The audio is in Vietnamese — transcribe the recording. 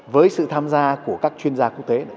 với sự tham gia của các chuyên gia quốc tế